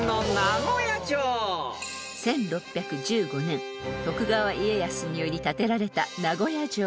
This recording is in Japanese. ［１６１５年徳川家康により建てられた名古屋城］